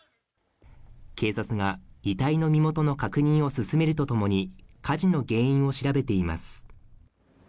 警察が遺体の身元の確認を進めるとともに火事の原因を調べています。